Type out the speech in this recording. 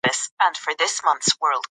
اداري شفافیت د باور لامل دی